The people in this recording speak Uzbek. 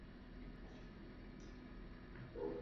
Ammo bu narsa amalga oshmadi